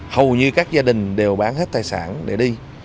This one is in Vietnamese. hầu như các gia đình đều bán hết tài sản để đi